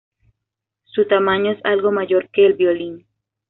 Su tamaño es algo mayor que el violín.